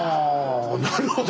なるほど。